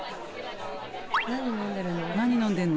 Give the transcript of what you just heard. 何飲んでるの？